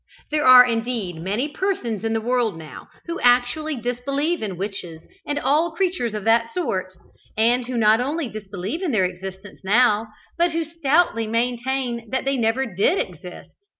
There are, indeed, many persons in the world now, who actually disbelieve in witches and all creatures of that sort, and who not only disbelieve in their existence now, but who stoutly maintain that they never did exist.